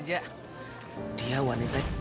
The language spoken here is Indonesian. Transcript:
tanda di luar